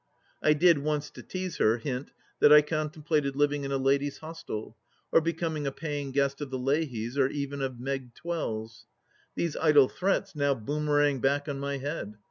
I did once, to tease her, hint that I contemplated living in a Ladies' Hostel, or becoming a paying guest of the Leahys or even of Meg Twells. These idle threats now boomerang back on my head.